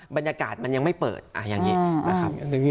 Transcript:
บรรยากาศมันยังไม่เปิดอย่างนี้นะครับ